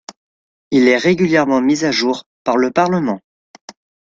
Il est régulièrement mis à jour par le Parlement.